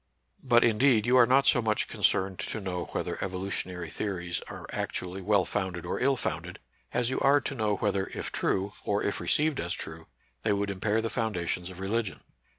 But, indeed, you are not so much concerned to know whether evolutionary theories are actually well founded or ill founded, as you are to know whether if true, or if received as true,' they would impair the foundations of re ligion.